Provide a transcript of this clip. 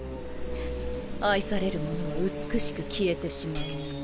愛されるものは美しく消えてしまうもの。